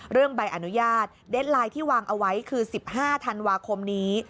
ใบอนุญาตเด็ดไลน์ที่วางเอาไว้คือ๑๕ธันวาคมนี้